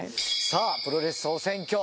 さあ『プロレス総選挙』。